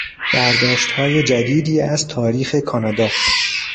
برداشتهای جدیدی از تاریخ کانادا